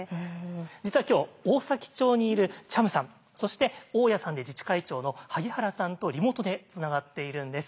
実は今日大崎町にいるチャムさんそして大家さんで自治会長の萩原さんとリモートでつながっているんです。